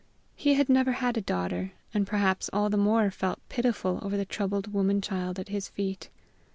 He had never had a daughter, and perhaps all the more felt pitiful over the troubled woman child at his feet.